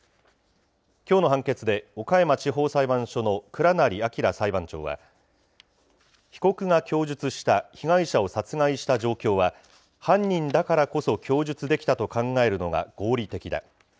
きょうの判決で岡山地方裁判所の倉成章裁判長は、被告が供述した被害者を殺害した状況は、犯人だからこそ供述できたと考えるのが合理的だ。